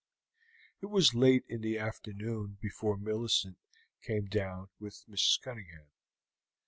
It was late in the afternoon before Millicent came down with Mrs. Cunningham.